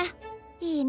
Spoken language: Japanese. いいね！